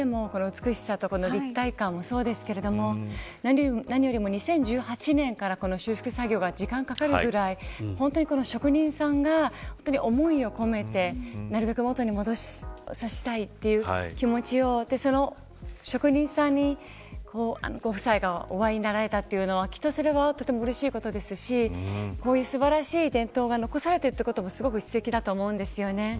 画面越しでも美しさと立体感もそうですけど何よりも２０１８年から修復作業が時間がかかるくらい本当に職人さんが思いを込めてなるべく元に戻したいという気持ちを持ってその職人さんにご夫妻がお会いになられたというのはそれはとてもうれしいことですしこういう素晴らしい伝統が残されていることがすごくすてきだと思います。